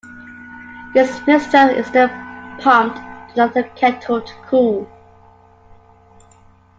This mixture is then pumped to another kettle to cool.